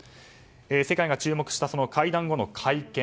世界が注目した会談後の会見。